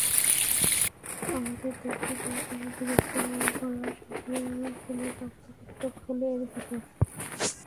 আমাদের দেখতে পেয়ে তারা বিরক্ত হয়ে গলা সেঁধিয়ে ফেলে শক্তপোক্ত খোলের ভেতর।